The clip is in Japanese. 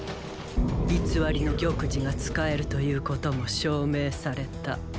偽りの玉璽が使えるということも証明された。